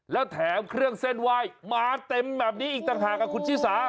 แล้วแถมเครื่องเส้นไหว้มาเต็มแบบนี้อีกต่างหากกับคุณชิสา